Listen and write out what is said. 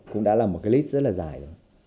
cũng đã là một cái list rất là dài